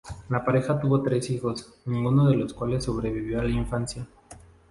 La pareja tuvo tres hijos, ninguno de los cuales sobrevivió a la infancia.